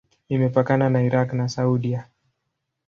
Imepakana na Irak na Saudia.